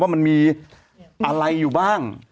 มันมีอะไรอยู่บ้าง